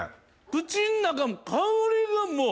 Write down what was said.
口ん中香りがもう！